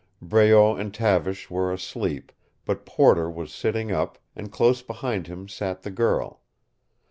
Breault and Tavish were asleep, but Porter was sitting up, and close beside him sat the girl.